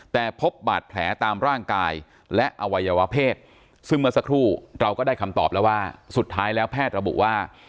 แต่พบบาดแผลตามร่างกายและอวัยวะเพศซึ่งเมื่อสักครู่เราก็ได้คำตอบแล้วว่าสุดท้ายแล้วแพทย์ระบุว่า